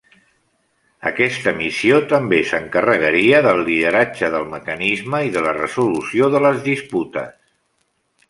Aquesta missió també s'encarregaria del lideratge del mecanisme i de la resolució de les disputes.